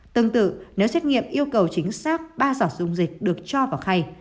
tương tự nếu xét nghiệm yêu cầu chính xác ba giọt dung dịch được cho vào khay